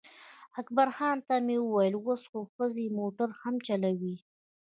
اکبرخان ته مې وویل اوس خو ښځې موټر هم چلوي.